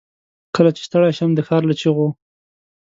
کله چې ستړی شم، دښارله چیغو